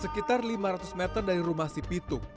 sekitar lima ratus meter dari rumah si pitung